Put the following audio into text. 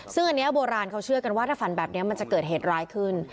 ซึ่งอันนี้โบราณเขาเชื่อกันว่าถ้าฝันแบบนี้มันจะเกิดเหตุร้ายขึ้น